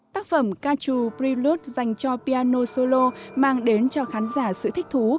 tác phẩm cachou prelude dành cho piano solo mang đến cho khán giả sự thích thú